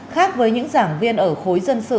khác với những giảng viên ở khối dân sự